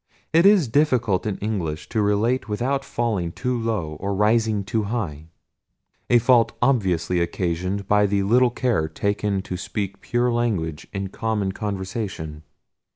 It is difficult in English to relate without falling too low or rising too high; a fault obviously occasioned by the little care taken to speak pure language in common conversation.